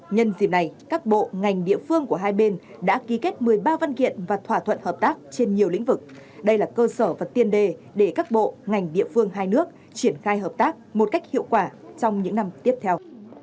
nhân dịp này các bộ ngành địa phương của hai bên đã ký kết một mươi ba văn kiện và thỏa thuận hợp tác trên nhiều lĩnh vực đây là cơ sở và tiền đề để các bộ ngành địa phương hai nước triển khai hợp tác một cách hiệu quả trong những năm tiếp theo